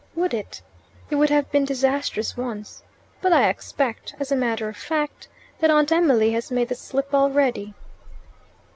"Would it? It would have been disastrous once. But I expect, as a matter of fact, that Aunt Emily has made the slip already."